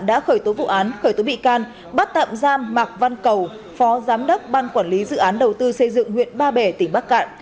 đã khởi tố vụ án khởi tố bị can bắt tạm giam mạc văn cầu phó giám đốc ban quản lý dự án đầu tư xây dựng huyện ba bể tỉnh bắc cạn